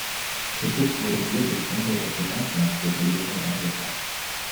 Kritik wurde hier dem Tempo der Finanzmarktregulierung angepasst.